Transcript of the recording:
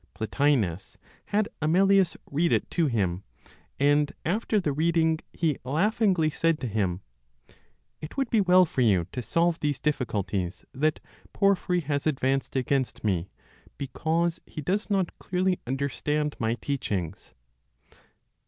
Plotinos had Amelius read it to him; and after the reading he laughingly said to him, "It would be well for you to solve these difficulties that Porphyry has advanced against me, because he does not clearly understand my teachings."